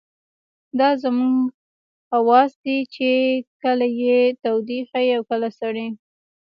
دا زموږ حواس دي چې کله يې تودې ښيي او کله سړې.